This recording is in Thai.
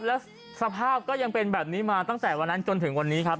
แล้วสภาพก็ยังเป็นแบบนี้มาตั้งแต่วันนั้นจนถึงวันนี้ครับ